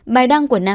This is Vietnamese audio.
bài đăng của nam em